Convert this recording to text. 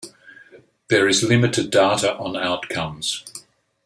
There is limited data on outcomes.